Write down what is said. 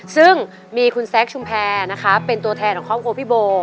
ซึ่งมีคุณแซคชุมแพรนะคะเป็นตัวแทนของครอบครัวพี่โบ